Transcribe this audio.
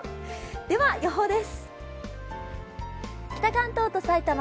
では予報です。